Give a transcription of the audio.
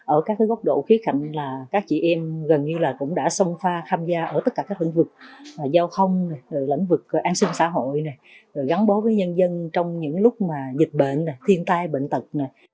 ở các góc độ khí cạnh là các chị em gần như là cũng đã sông pha tham gia ở tất cả các lĩnh vực giao thông lĩnh vực an sinh xã hội gắn bó với nhân dân trong những lúc mà dịch bệnh thiên tai bệnh tật